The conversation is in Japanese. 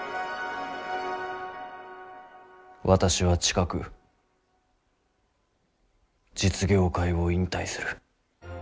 私は近く実業界を引退する。